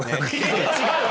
いや違う！